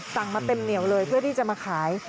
มาเต็มเหนียวเลยเพื่อที่จะมาขาย